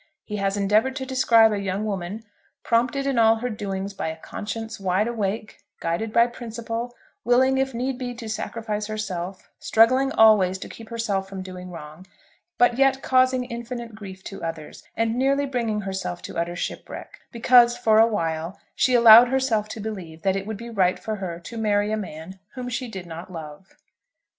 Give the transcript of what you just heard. He has endeavoured to describe a young woman, prompted in all her doings by a conscience wide awake, guided by principle, willing, if need be, to sacrifice herself, struggling always to keep herself from doing wrong, but yet causing infinite grief to others, and nearly bringing herself to utter shipwreck, because, for a while, she allowed herself to believe that it would be right for her to marry a man whom she did not love.